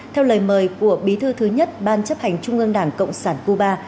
theo lời mời của bí thư thứ nhất ban chấp hành trung ương đảng cộng sản cuba